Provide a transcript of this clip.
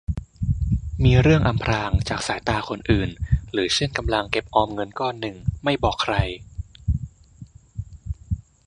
มีเรื่องอำพรางจากสายตาคนอื่น หรือเช่นกำลังเก็บออมเงินก้อนหนึ่งไม่บอกใคร